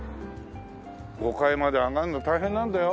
５階まで上がるの大変なんだよ。